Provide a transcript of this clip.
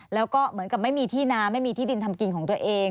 แล้วก็เหมือนกับไม่มีที่นาไม่มีที่ดินทำกินของตัวเอง